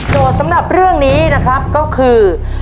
สำหรับเรื่องนี้นะครับก็คือ